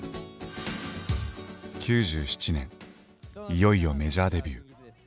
いよいよメジャーデビュー。